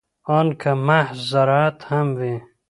ان که محض زراعت هم وي.